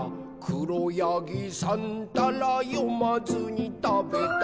「しろやぎさんたらよまずにたべた」